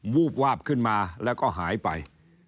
วูบวาบขึ้นมาแล้วก็หายไป